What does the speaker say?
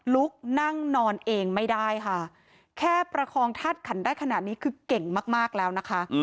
ลุกนั่งนอนเองไม่ได้ค่ะแค่ประคองธาตุขันได้ขนาดนี้คือเก่งมากแล้วนะคะ